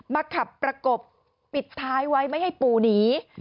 ขับประกบปิดท้ายไว้ไม่ให้ปู่หนี